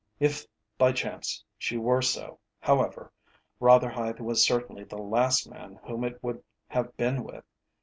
If by chance she were so, however, Rotherhithe was certainly the last man whom it would have been with.